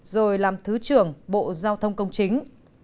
rồi làm thứ trưởng bộ giao thông công chính